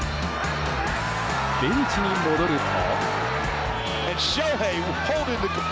ベンチに戻ると。